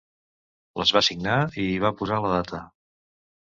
Les va signar i hi va posar la data.